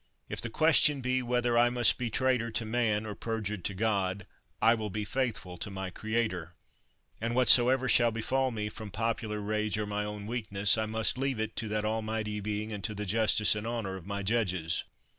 If the question be whether I must be traitor to man or perjured to God, I will be faithful to my creator. And whatsoever shall befall me from popular rage or my own weak ness, I must leave it to that Almighty Being and to the justice and honor of my judges.